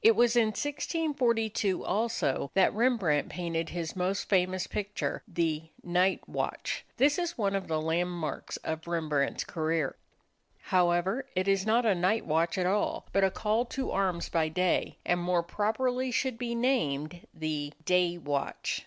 It was in 1642 also that Rembrandt painted his most famous picture the "Night Watch." This is one of the landmarks of Rembrandt's career. However, it is not a night watch at all, but a call to arms by day, and more properly should be named the "Day Watch."